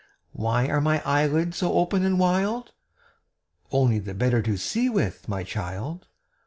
"Why are my eyelids so open and wild?" Only the better to see with, my child!